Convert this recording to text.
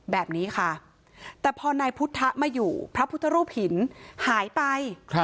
แบบนี้ค่ะแต่พอนายพุทธมาอยู่พระพุทธรูปหินหายไป